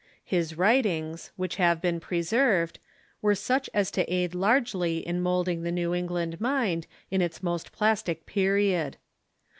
His writings, which have been preserved, were such as to aid largely in moulding the Xew England mind in its most plastic period.